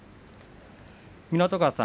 湊川さん